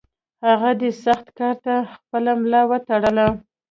هغه دې سخت کار ته خپله ملا وتړله.